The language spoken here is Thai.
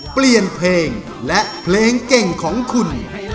เปลี่ยนเพลงและเพลงเก่งของคุณ